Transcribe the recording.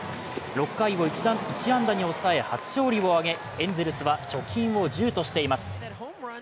６回を１安打に抑え、初勝利を挙げエンゼルスは貯金を１０としています。